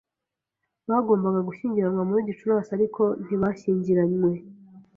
Bagombaga gushyingirwa muri Gicurasi, ariko ntibashyingiranywe.